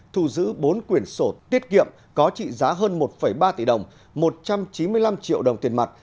thu giữ bốn quyển sổ tiết kiệm có trị giá hơn một ba tỷ đồng một trăm chín mươi năm triệu đồng tiền mặt